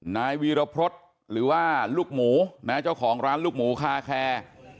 นายวีรพฤษหรือว่าลูกหมูนะเจ้าของร้านลูกหมูคาแคร์